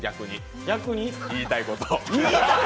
逆に、言いたいこと。